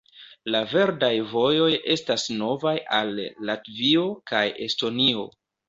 La verdaj vojoj estas novaj al Latvio kaj Estonio.